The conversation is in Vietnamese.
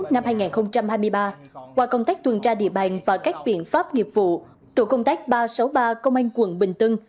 năm hai nghìn hai mươi ba qua công tác tuần tra địa bàn và các biện pháp nghiệp vụ tổ công tác ba trăm sáu mươi ba công an quận bình tân